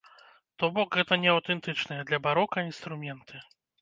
То бок, гэта не аўтэнтычныя для барока інструменты.